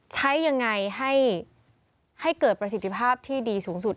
ใช้ยังไงให้เกิดประสิทธิภาพที่ดีสูงสุด